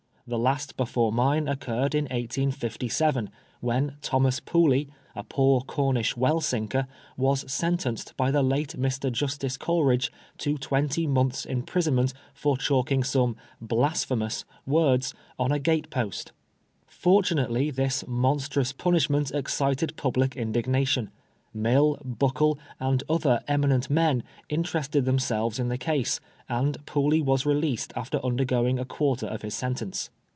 The last before mine occurred in 1857, when Thomas Pooley, a poor Cornish well sinker, was sentenced by the late Mr. Justice Coleridge to twenty months* imprisonment for chalking some "blasphemous" words on a gate post. Fortunately this monstrous punishment excited public indignation. Mill, Buckle, and other eminent men, interested themselves in the case, and Pooley was released after undergoing a quarter of his sentence.